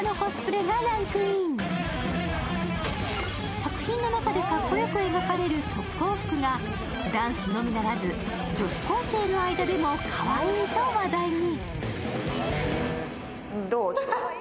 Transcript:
作品の中でかっこよく描かれる特攻服が男子のみならず女子高生の間でも、かわいいと話題に。